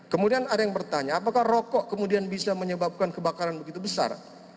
kemudian ada yang bertanya apakah rokok kemudian bisa menyebabkan kebakaran begitu besar